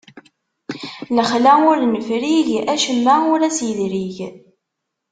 Lexla ur nefrig, acemma ur as-idrig.